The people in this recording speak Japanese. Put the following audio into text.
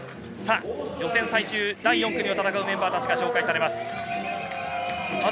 予選最終第４組を戦うメンバーたちが紹介されます。